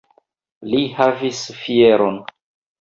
Li havis fieron!